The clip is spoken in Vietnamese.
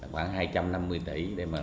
khoảng hai trăm năm mươi tỷ để mà